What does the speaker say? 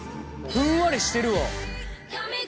ふんわりしてるわ。